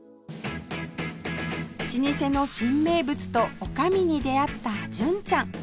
老舗の新名物と女将に出会った純ちゃん